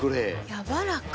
やわらか。